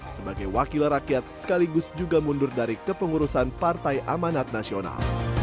sebagai wakil rakyat sekaligus juga mundur dari kepengurusan partai amanat nasional